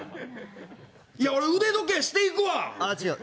俺、腕時計していくわ。